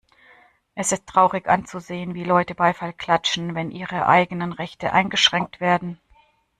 Es ist traurig anzusehen, wie Leute Beifall klatschen, wenn ihre eigenen Rechte eingeschränkt werden.